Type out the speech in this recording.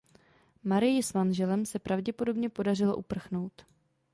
Marii s manželem se pravděpodobně podařilo uprchnout.